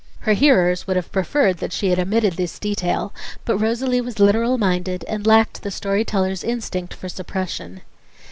Her hearers would have preferred that she had omitted this detail; but Rosalie was literal minded and lacked the story teller's instinct for suppression.